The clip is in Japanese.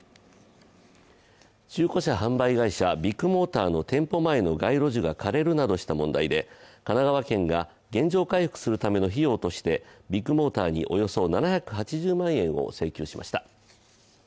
中古車販売会社・ビッグモーターの店舗前の街路樹が枯れるなどした問題で神奈川県が原状回復するための費用としてビッグモーターにおよそ７８０万円を請求しました。